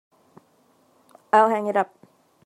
I'll hang it up.